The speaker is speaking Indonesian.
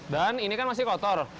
dan ini kan masih kotor